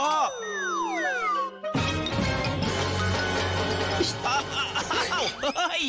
อ้าวโอ้เฮ้ย